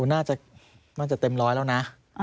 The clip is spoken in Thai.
น่าจะเต็มร้อยแล้วนะ